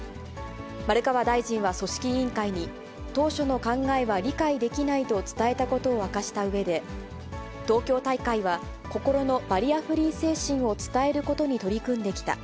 丸川大臣は組織委員会に当初の考えは理解できないと伝えたことを明かしたうえで、東京大会は心のバリアフリー精神を伝えることに取り組んできた。